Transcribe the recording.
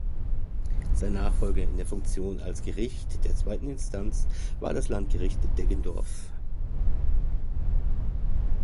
Sein Nachfolger in der Funktion als Gericht der zweiten Instanz war das Landgericht Deggendorf.